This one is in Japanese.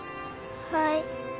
はい